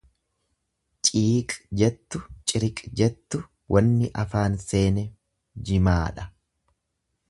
Ciiq jettu, ciriq jettu wanni afaan seene jimaadha.